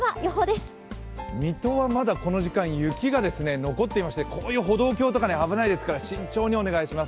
水戸はまだこの時間、雪が残っていてこういう歩道橋、危ないですから慎重にお願いします。